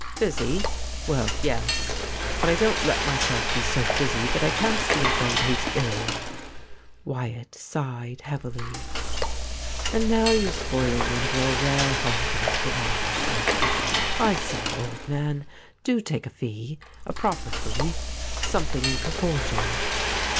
' Busy ? Well, yes. But I don't let myself be so busy that I can't see a friend who's ill.' Wyatt sighed heavily, ' And now you're spoiling one of yowY rare holidays for my sake. I say, old man, do take a fee — a proper fee — something in propor tion.